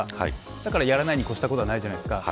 だから、やらないに越したことはないじゃないですか。